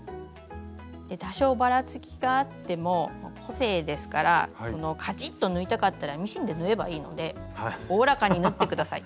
多少バラつきがあっても個性ですからカチッと縫いたかったらミシンで縫えばいいのでおおらかになって下さい。